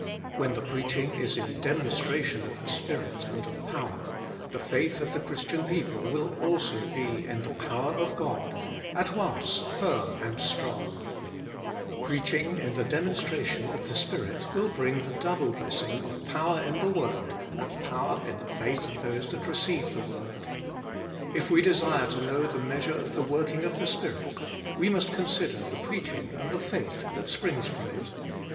When the preaching is in demonstration of the Spirit and of power, the faith of the Christian people will also be in the power of God, at once firm and strong. Preach 4 50 THE FULL BLESSING OF PENTECOST ing in the demonstration of the Spirit will bring the double blessing of power in the word and power in the faith of those that receive that word. If we desire to know the measure of the working of the Spirit, we must consider the preaching and the faith that springs from it.